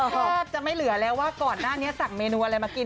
แทบจะไม่เหลือแล้วว่าก่อนหน้านี้สั่งเมนูอะไรมากิน